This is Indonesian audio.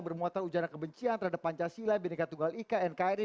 bermuatan ujana kebencian terhadap pancasila bhinneka tunggal ika nkri